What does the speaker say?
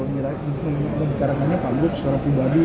membicarakannya pak gup suara pribadi